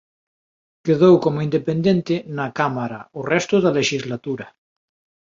Quedou como independente na Cámara o resto da lexislatura.